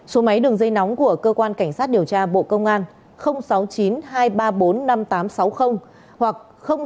số máy đường dây nóng của cơ quan cảnh sát điều tra bộ công an sáu mươi chín hai trăm ba mươi bốn năm nghìn tám trăm sáu mươi hoặc sáu mươi chín hai trăm ba mươi hai một nghìn sáu trăm bảy